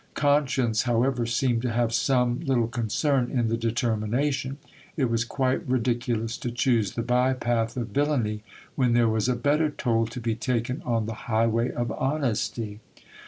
Con science, however, seemed to have some little concern in the determination ; it was quite ridiculous to choose the by path of villany when there was a better toll to be taken on the highway of honesty.